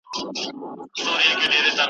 چي سړی یې په هیڅ توګه په تعبیر نه پوهیږي .